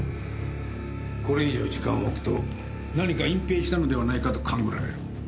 これ以上時間をおくと何か隠ぺいしたのではないかと勘ぐられる。